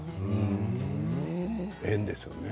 縁ですよね。